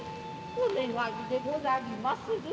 お願いでござりまする。